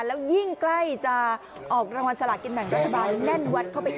แล้วยิ่งใกล้จะออกรางวัลสลากินแบ่งรัฐบาลแน่นวัดเข้าไปอีก